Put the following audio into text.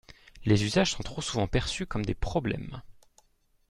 Les usages sont trop souvent perçus comme des problèmes.